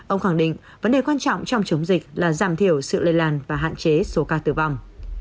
ông khẳng định vấn đề quan trọng trong chống dịch là giảm thiểu sự lây lan và hạn chế số ca tử vong